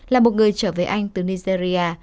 là một người trở về anh từ nigeria